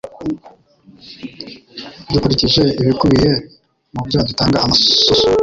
Dukurikije ibikubiye mubyo dutanga amasoso